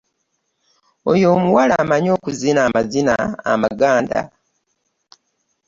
Oyo omuwala amanyi okuzina amazina amaganda.